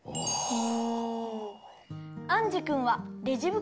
お。